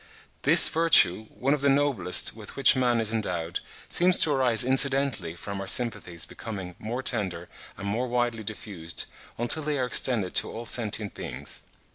This virtue, one of the noblest with which man is endowed, seems to arise incidentally from our sympathies becoming more tender and more widely diffused, until they are extended to all sentient beings.